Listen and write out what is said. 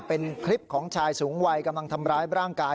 เป็นคลิปของชายสูงวัยกำลังทำร้ายร่างกาย